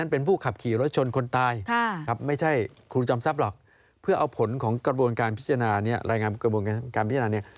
เพื่อเอาผลของกระบวนการพิจารณานี้